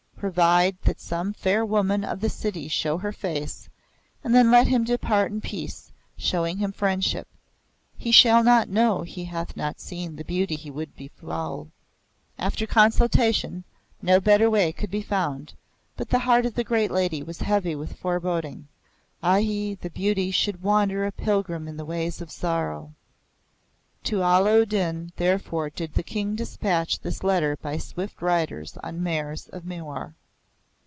Provide that some fair woman of the city show her face, and then let him depart in peace, showing him friendship. He shall not know he hath not seen the beauty he would befoul." After consultation, no better way could be found; but the heart of the great Lady was heavy with foreboding. (A hi! that Beauty should wander a pilgrim in the ways of sorrow!) To Allah u Din therefore did the King dispatch this letter by swift riders on mares of Mewar.